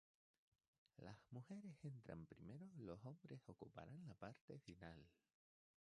Las mujeres entran primero, los hombres ocuparán la parte final.